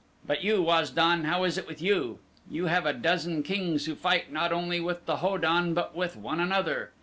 But you Waz don, how is it with you? You have a dozen kings who fight not only with the Ho don but with one another.